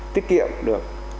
tiết kiệm được